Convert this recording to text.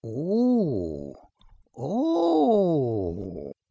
"Oh! oh!"